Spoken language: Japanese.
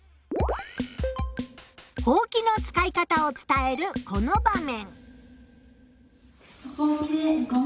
ほうきの使い方を伝えるこの場面。